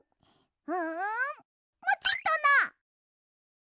うんモチっとな！